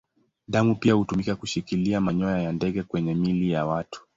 Damu pia hutumika kushikilia manyoya ya ndege kwenye miili ya watu.